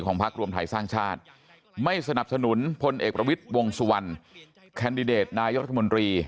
พักรวมไทยสร้างชาติไม่สนับสนุนพลเอกประวิทย์วงสุวรรณแคนดิเดตนายกรัฐมนตรี